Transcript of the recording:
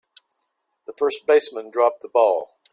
The first baseman dropped the ball.